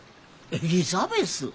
エリザベス？